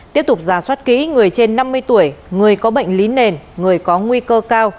tiếp tục giả soát kỹ người trên năm mươi tuổi người có bệnh lý nền người có nguy cơ cao